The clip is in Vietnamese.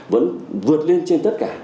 vẫn vượt lên trên tất cả